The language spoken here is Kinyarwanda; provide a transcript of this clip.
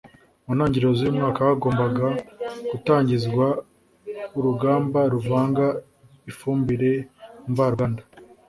mu ntangiro z’uyu mwaka hagombaga gutangizwa uruganda ruvanga ifumbire mvaruganda